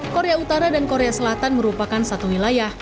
korea utara dan korea selatan merupakan satu wilayah